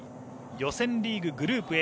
予選リーググループＡ